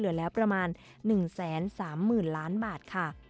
และการบริการผู้โดยสาร๑๒๗๕ราย